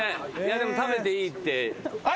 でも食べていいって。